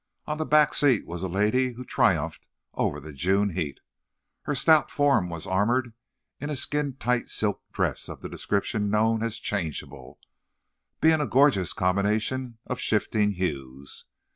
On the back seat was a lady who triumphed over the June heat. Her stout form was armoured in a skin tight silk dress of the description known as "changeable," being a gorgeous combination of shifting hues.